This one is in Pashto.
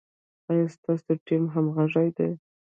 ایا ستاسو ټیم همغږی دی؟